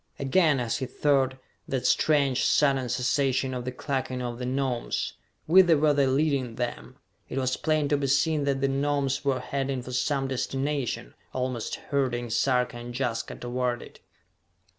Again, as he thought, that strange, sudden cessation of the clucking of the Gnomes. Whither were they leading them? It was plain to be seen that the Gnomes were heading for some destination, almost herding Sarka and Jaska toward it.